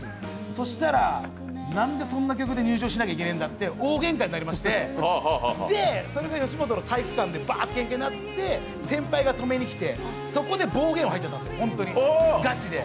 そしたらなにでそんな曲で入場しなきゃいけないんだと大げんかになりましてそれが吉本の体育館でけんかになって先輩が止めに来てそこで暴言を吐いちゃったんですガチで。